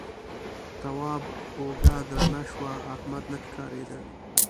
تواب اوږه درنه شوه احمد نه ښکارېده.